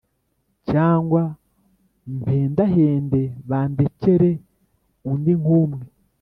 Cyangwa mpendahende Bandekere undi nk’umwe ?